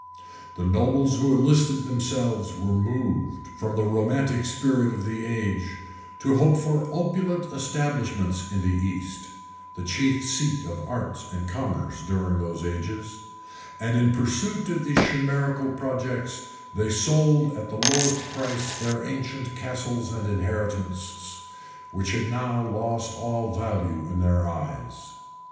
The nobles who enlisted themselves were moved, from the romantic spirit of the age, to hope for opulent establishments in the East, the chief seat of arts and commerce during those ages; and in pursuit of these chimerical projects, they sold at the lowest price their ancient castles and inheritances, which had now lost all value in their eyes.